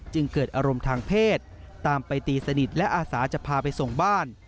เกิดอารมณ์ทางเพศตามไปตีสนิทและอาสาจะพาไปส่งบ้าน